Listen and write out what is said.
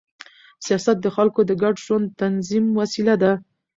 سیاست د خلکو د ګډ ژوند د تنظیم وسیله ده